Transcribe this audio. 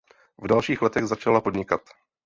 V dalších letech začala podnikat.